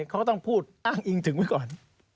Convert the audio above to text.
เขาก็ต้องพูดอ้างอิงถึงไว้ก่อน